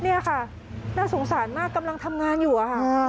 นี่ค่ะน่าสงสารมากกำลังทำงานอยู่อะค่ะ